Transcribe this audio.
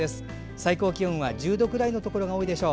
最高気温は１０度くらいのところが多いでしょう。